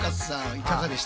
いかがでした？